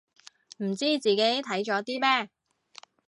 唔知自己睇咗啲咩